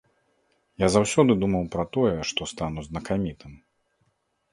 Я заўсёды думаў пра тое, што стану знакамітым.